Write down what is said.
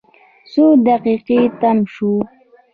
څو دقیقې تم شوو.